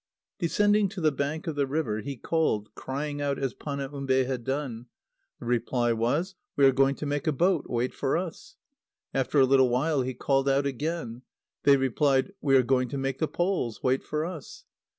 Descending to the bank of the river, he called, crying out as Panaumbe had done. The reply was: "We are going to make a boat. Wait for us!" After a little while, he called out again. They replied: "We are going to make the poles. Wait for us!"